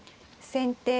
先手